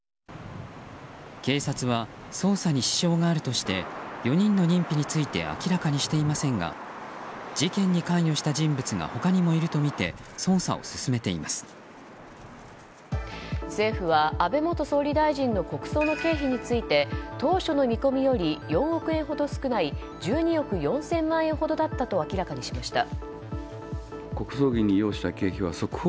警察は捜査に支障があるとして４人の認否について明らかにしていませんが事件に関与した人物が他にもいるとみて政府は安倍元総理大臣の国葬の経費について当初の見込みより４億円ほど少ない１２億４０００万円ほどだったと明らかにしました。